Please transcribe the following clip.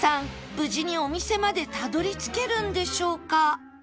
無事にお店までたどり着けるんでしょうか？